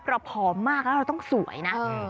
ผอมมากแล้วเราต้องสวยนะ